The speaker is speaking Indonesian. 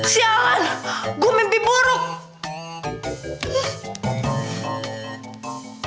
siang gue mimpi buruk